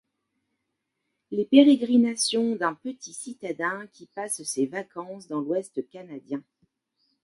Les périgrinations d'un petit citadin qui passe ses vacances dans l'Ouest canadien.